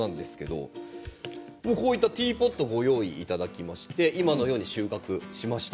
こういったティーポットをご用意いただきまして今のように収穫しました。